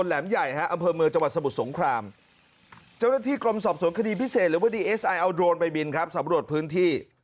เจ้าหน้าที่กรมสอบสวนคดีพิเศษหรือว่าดีเอสไอเอาโดรนไปบินครับสำรวจพื้นที่